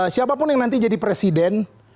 siapapun yang nanti jadi presiden